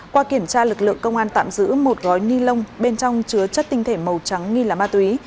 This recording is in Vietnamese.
qua kiểm tra lực lượng công an tạm giữ một gói ni lông bên trong chứa chất tinh thể màu trắng nghi là ma túy